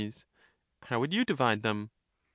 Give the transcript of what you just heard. Soc. How would you divide them ?